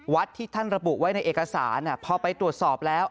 ที่ท่านระบุไว้ในเอกสารพอไปตรวจสอบแล้ว